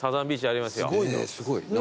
すごいな。